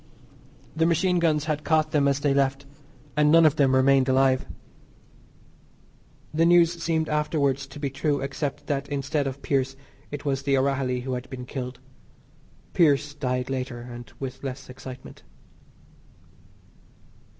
The machine guns had caught them as they left, and none of them remained alive. The news seemed afterwards to be true except that instead of Pearse it was The O'Rahilly who had been killed. Pearse died later and with less excitement.